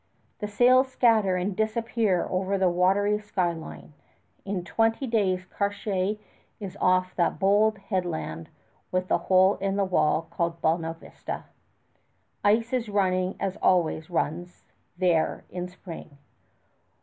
The sails scatter and disappear over the watery sky line. In twenty days Cartier is off that bold headland with the hole in the wall called Bona Vista. Ice is running as it always runs there in spring.